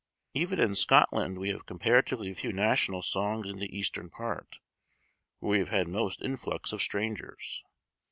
Even in Scotland, we have comparatively few national songs in the eastern part, where we have had most influx of strangers.